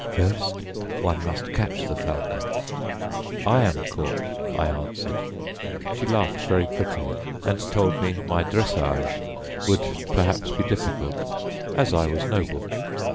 "First one must catch the falcon." "I am caught," I answered. She laughed very prettily and told me my dressage would perhaps be difficult, as I was noble.